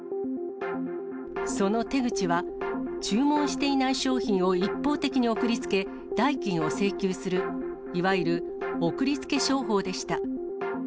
その手口は、注文していない商品を一方的に送りつけ、代金を請求するいわゆる送りつけ商法でした。